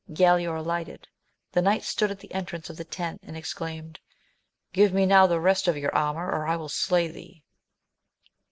Galaor alighted ; the knight stood at the entrance of the tent, and exclaimed, Give me now the rest of your armour or I will slay thee!